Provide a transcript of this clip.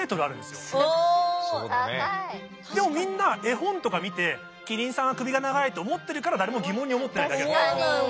でもみんな絵本とか見てキリンさんは首が長いと思ってるから誰も疑問に思ってないだけなんです。